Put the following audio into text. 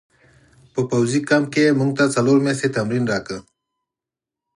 په پوځي کمپ کې یې موږ ته څلور میاشتې تمرین راکړ